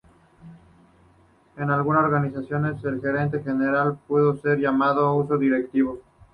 En algunas organizaciones, el gerente general puede ser llamado Uso Directivo